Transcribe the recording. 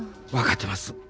分かってます。